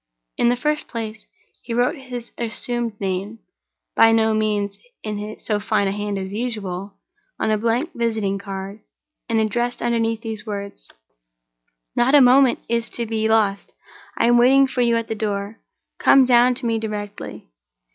In the first place, he wrote his assumed name (by no means in so fine a hand as usual) on a blank visiting card, and added underneath these words: "Not a moment is to be lost. I am waiting for you at the door—come down to me directly."